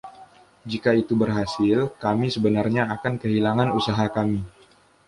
Jika itu berhasil, kami sebenarnya akan kehilangan usaha kami.